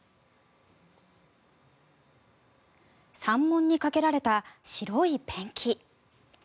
山門にかけられた白いペンキ。